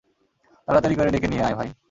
তাড়াতাড়ি করে ডেকে নিয়ে আই, ভাই।